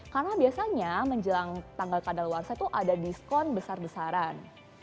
karena biasanya menjelang tanggal kadal warsa itu ada diskon besar besaran